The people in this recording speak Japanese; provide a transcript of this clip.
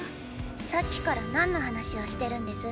さっきから何の話をしてるんです？